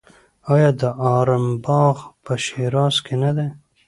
آیا د ارم باغ په شیراز کې نه دی؟